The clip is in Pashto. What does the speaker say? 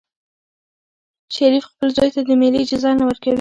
شریف خپل زوی ته د مېلې اجازه نه ورکوي.